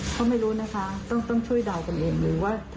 พ่อไม่รู้นะคะต้องช่วยเดาแบบนี้